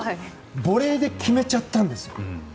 ボレーで決めちゃったんです。